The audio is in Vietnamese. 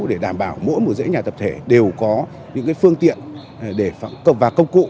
để đảm bảo mỗi một dãy nhà tập thể đều có những phương tiện và công cụ